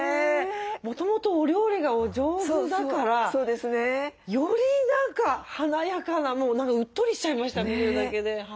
もともとお料理がお上手だからより何か華やかなもう何かうっとりしちゃいました見るだけで。